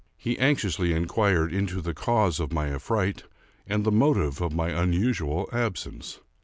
He anxiously inquired into the cause of my af fright and the motive of my unusual absence.